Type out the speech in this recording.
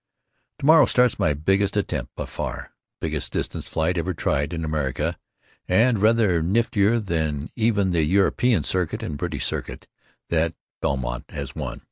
Tomorrow starts my biggest attempt, by far; biggest distance flight ever tried in America, and rather niftier than even the European Circuit and British Circuit that Beaumont has won.